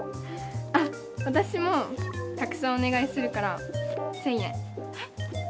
あっ私もたくさんお願いするからえっ？